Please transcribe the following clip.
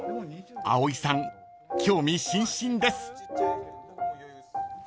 ［葵さん興味津々です］